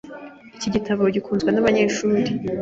Iki gitabo gikunzwe nabanyeshuri.